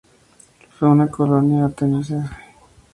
Fue una colonia ateniense.